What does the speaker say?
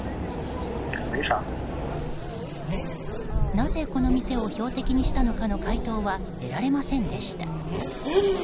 なぜこの店を標的にしたのかの回答は得られませんでした。